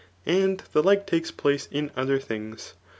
And the like takes place in odier things.